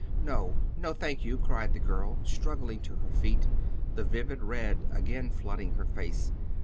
"No, no, thank you," cried the girl, struggling to her feet, the vivid red again flooding her face.